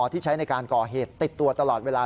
ที่ใช้ในการก่อเหตุติดตัวตลอดเวลา